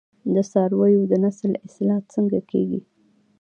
د څارویو د نسل اصلاح څنګه کیږي؟